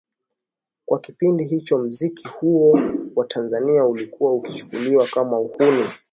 Kwa kipindi hicho muziki huo kwa tanzania ulikuwa ukichukuliwa Kama uhuni